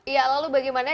ya lalu bagaimana